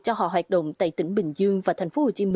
cho họ hoạt động tại tỉnh bình dương và tp hcm